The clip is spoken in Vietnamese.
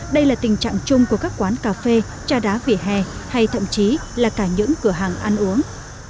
đây là tình trạng chung của các quán cà phê trà đá vỉa hè hay thậm chí là cả những cửa hàng ăn uống